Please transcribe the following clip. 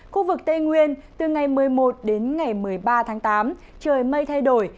khu vực tây nguyên từ ngày một mươi một đến ngày một mươi ba tháng tám trời mây thay đổi